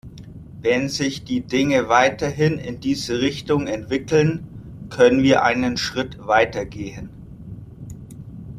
Wenn sich die Dinge weiterhin in diese Richtung entwickeln, können wir einen Schritt weitergehen.